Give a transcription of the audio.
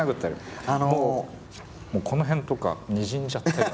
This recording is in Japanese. もうこの辺とかにじんじゃってる。